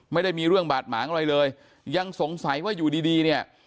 ไม่ได้มีเรื่องบาดหมางอะไรเลยยังสงสัยว่าอยู่ดีดีเนี่ย